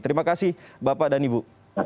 terima kasih bapak dan ibu